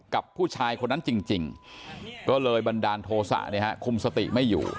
กับผู้ชายคนนั้นจริงก็เลยบันดาลโทษะคุมสติไม่อยู่